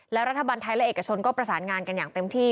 และรัฐบาลไทยและเอกชนก็ประสานงานกันอย่างเต็มที่